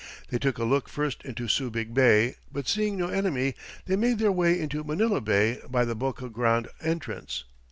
They took a look first into Subig Bay, but seeing no enemy, they made their way into Manila Bay by the Boca Grande entrance.